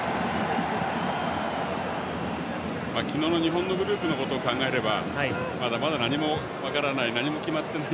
昨日の日本のグループのことを考えればまだまだ何も分からない